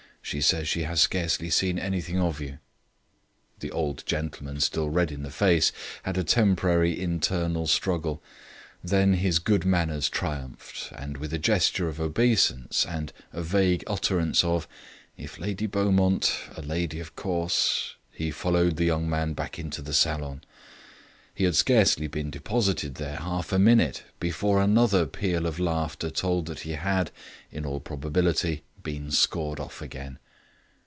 She says she has scarcely seen anything of you." The old gentleman, still red in the face, had a temporary internal struggle; then his good manners triumphed, and with a gesture of obeisance and a vague utterance of, "If Lady Beaumont... a lady, of course," he followed the young man back into the salon. He had scarcely been deposited there half a minute before another peal of laughter told that he had (in all probability) been scored off again.